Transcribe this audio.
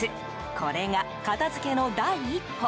これが片付けの第一歩。